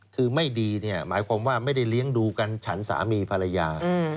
คือไม่ดีเนี่ยหมายความว่าไม่ได้เลี้ยงดูกันฉันสามีภรรยา